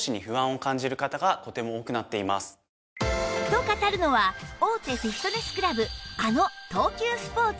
と語るのは大手フィットネスクラブ